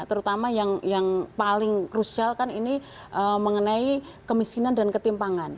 terutama yang paling krusial kan ini mengenai kemiskinan dan ketimpangan